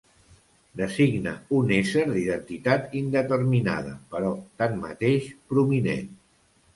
Designa un ésser d'identitat indeterminada però, tanmateix, prominent.